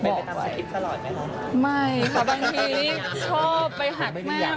ไม่ครับบางทีชอบไปหักแม่บ้าง